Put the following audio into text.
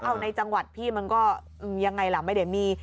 เอาในจังหวัดพี่มันก็ยังไงล่ะไม่ได้มี